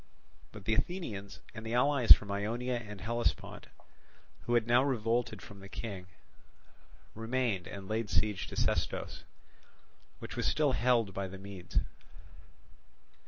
But the Athenians and the allies from Ionia and Hellespont, who had now revolted from the King, remained and laid siege to Sestos, which was still held by the Medes.